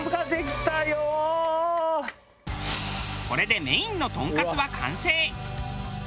これでメインのトンカツは完成。